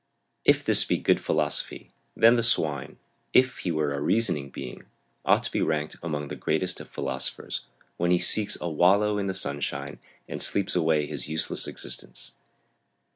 If this be good philosophy, then the swine, if he were a reasoning being, ought to be ranked among the greatest of philosophers when he seeks a wallow in the sunshine and sleeps away his useless existence.